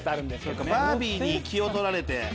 バービーに気を取られて。